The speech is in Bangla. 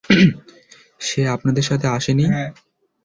সে আপনাদের সাথে আসে নি?